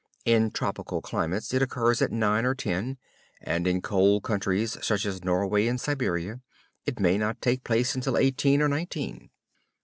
In tropical climates it occurs at nine or ten, and in cold countries, such as Norway and Siberia, it may not take place until eighteen or nineteen.